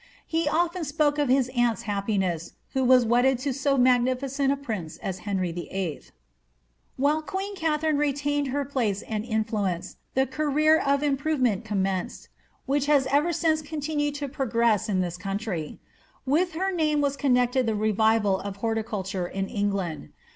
He ofVen spoke of his aunt's happi ness, who was wedded to so magnificent a prince as Henry VIH.^ 'Bishop Godwins Life of Henry VIII. <ATHASINX Of ASttAOOir. 8^ While queen Rathaiine retained her place and influence, the career of improvement commenced, which has ever since continued to progress in this country. With her name was connected the revival of horticulture in England.